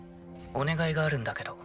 お願いがあるんだけど。